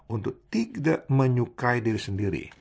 untuk tidak menyukai diri sendiri